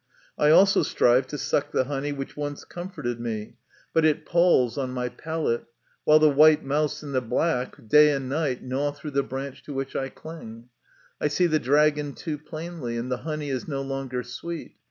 I also strive to suck the honey which once comforted me, but it palls 34 MY CONFESSION. on my palate, while the white mouse and the black, day and night, gnaw through the branch to which I cling. I see the dragon too plainly, and the honey is no longer sweet.